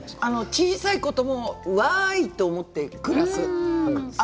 小さいこともわーい！と思って暮らす。